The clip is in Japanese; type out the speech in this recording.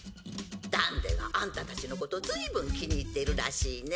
ダンデがアンタたちのことずいぶん気に入ってるらしいね。